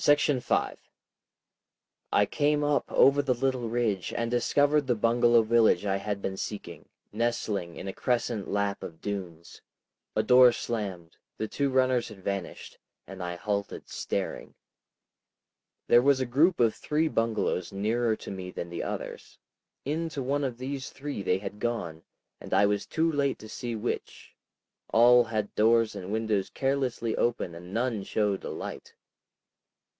§ 5 I came up over the little ridge and discovered the bungalow village I had been seeking, nestling in a crescent lap of dunes. A door slammed, the two runners had vanished, and I halted staring. There was a group of three bungalows nearer to me than the others. Into one of these three they had gone, and I was too late to see which. All had doors and windows carelessly open, and none showed a light.